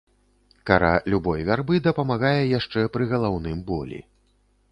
Кара любой вярбы дапамагае яшчэ пры галаўным болі.